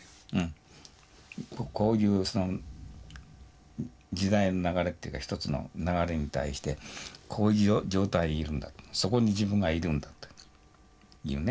こういうその時代の流れっていうか一つの流れに対してこういう状態にいるんだとそこに自分がいるんだというね。